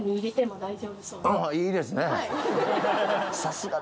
ああいいですね。